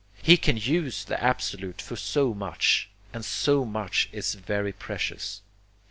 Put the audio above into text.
He can use the Absolute for so much, and so much is very precious.